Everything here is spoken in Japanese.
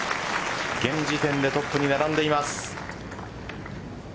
現時点でトップに並んでいます。